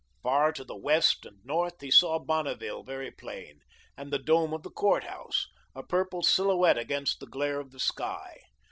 Far to the west and north, he saw Bonneville very plain, and the dome of the courthouse, a purple silhouette against the glare of the sky.